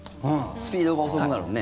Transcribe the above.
スピードが遅くなるもんね。